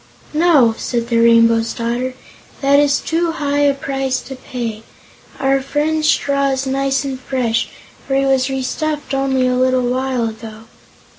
"No," said the Rainbow's Daughter, "that is too high a price to pay. Our friend's straw is nice and fresh, for he was restuffed only a little while ago."